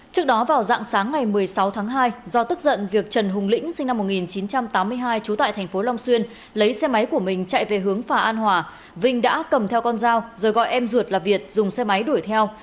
trước đó vào dạng sáng ngày một mươi sáu tháng hai do tức giận việc trần hùng lĩnh sinh năm một nghìn chín trăm tám mươi hai trú tại thành phố long xuyên lấy xe máy của mình chạy về hướng phà an hòa vinh đã cầm theo con dao rồi gọi em ruột là việt dùng xe máy đuổi theo